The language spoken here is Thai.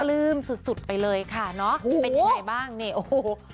ซึ่งซึ่งสุดไปเลยค่ะเนาะเป็นยังไงบ้างเนี่ย